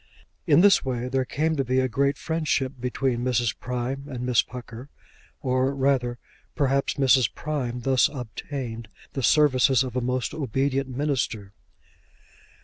In this way there came to be a great friendship between Mrs. Prime and Miss Pucker; or rather, perhaps, Mrs. Prime thus obtained the services of a most obedient minister.